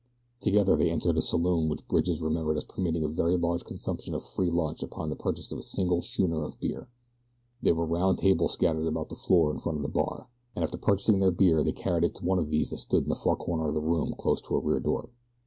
Together they entered a saloon which Bridge remembered as permitting a very large consumption of free lunch upon the purchase of a single schooner of beer. There were round tables scattered about the floor in front of the bar, and after purchasing their beer they carried it to one of these that stood in a far corner of the room close to a rear door.